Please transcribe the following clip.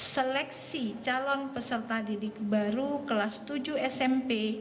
seleksi calon peserta didik baru kelas tujuh smp